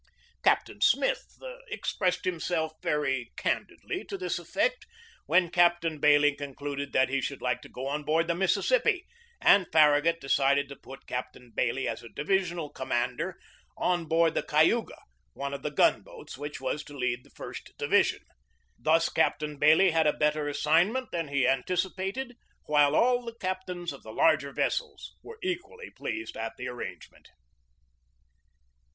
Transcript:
Captain Smith expressed himself very candidly to this effect when Captain Bailey concluded that he should like to go on board the Mississippi, and Far ragut decided to put Captain Bailey as a divisional commander on board the Cayuga, one of the gun boats which was to lead the first division. Thus Captain Bailey had a better assignment than he an ticipated, while all the captains of the larger vessels were equally pleased at the arrangement.